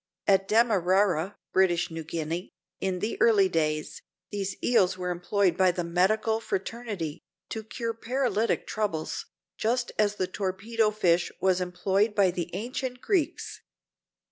At Damarara, British Guiana, in the early days, these eels were employed by the medical fraternity, to cure paralytic troubles, just as the torpedo fish was employed by the ancient Greeks.